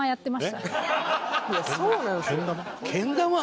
いやそうなんですよ。けん玉？